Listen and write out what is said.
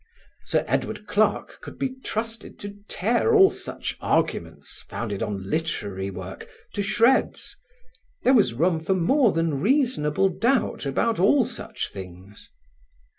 Sir Edward Clarke could be trusted to tear all such arguments, founded on literary work, to shreds. There was room for more than reasonable doubt about all such things.